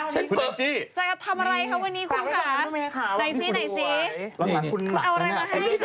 ใช่คุณแองจี้จะทำอะไรครับวันนี้คุณคะไหนสิไหนสิ